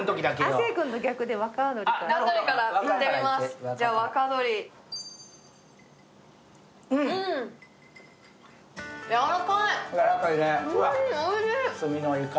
亜生君と逆で、若鶏から。